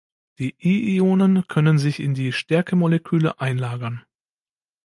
Die I-Ionen können sich in die Stärke-Moleküle einlagern.